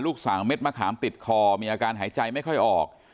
สาวเม็ดมะขามติดคอมีอาการหายใจไม่ค่อยออก